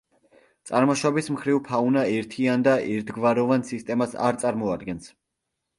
წარმოშობის მხრივ, ფაუნა ერთიან და ერთგვაროვან სისტემას არ წარმოადგენს.